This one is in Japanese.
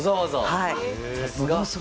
はい。